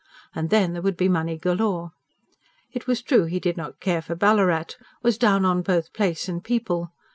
And then there would be money galore. It was true he did not care for Ballarat was down on both place and people.